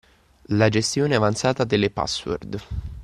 La gestione avanzata delle password